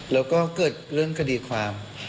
แล้วก็เกิดเรื่องคดีความ